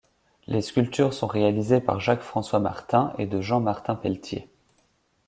Les sculptures sont réalisées par Jacques-François Martin et de Jean-Martin Pelletier.